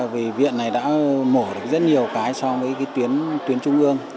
vì viện này đã mổ được rất nhiều cái so với tuyến trung ương